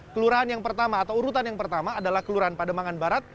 kelurahan yang pertama atau urutan yang pertama adalah kelurahan pademangan barat